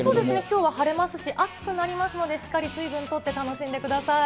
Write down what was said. きょうは晴れますし、暑くなりますので、しっかり水分とって楽しんでください。